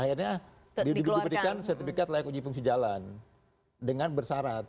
akhirnya diberikan sertifikat layak uji fungsi jalan dengan bersarat